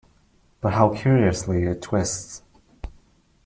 But how curiously it twists!